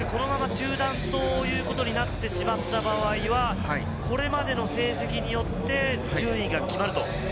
恐らくこのまま中断ということになってしまった場合はこれまでの成績によって順位が決まると。